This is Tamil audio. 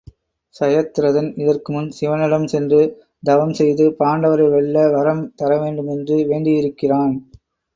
சயத்ரதன் இதற்குமுன் சிவனிடம் சென்று தவம் செய்து பாண்டவரை வெல்ல வரம் தர வேண்டும் என்று வேண்டியிருக்கிறான்.